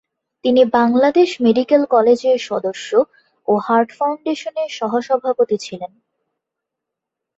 তিনি বাংলাদেশ মেডিকেল কলেজের সদস্য ও হার্ট ফাউন্ডেশনের সহ-সভাপতি ছিলেন।